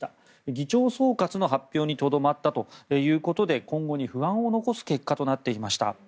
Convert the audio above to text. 議長総括の発表にとどまったということで今後に不安を残す結果となっていました。